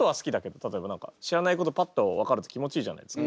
例えば何か知らないことパッと分かると気持ちいいじゃないですか。